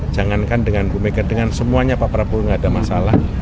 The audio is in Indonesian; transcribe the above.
jangankan dengan bu mega dengan semuanya pak prabowo tidak ada masalah